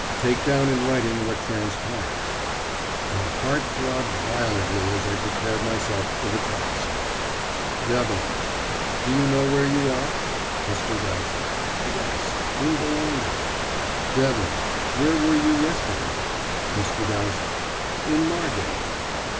Take down in writing what transpires." My heart throbbed violently as I prepared myself for the task. Devlin: "Do you know where you are?" Mr. Dowsett: "Yes, in Boulogne." Devlin: "Where were you yesterday?" Mr. Dowsett: "In Margate."